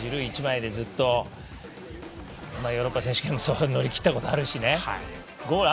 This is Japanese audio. まあまあ、ジルー１枚でずっとヨーロッパ選手権も乗り切ったことあるしね。